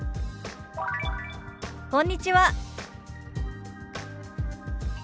「こんにちは」。